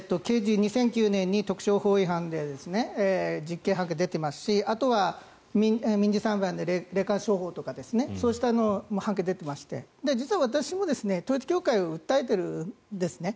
２００９年、特商法違反で実刑判決が出ていますしあとは民事裁判で霊感商法とかそうした判決が出ていまして実は私も統一教会を訴えているんですね。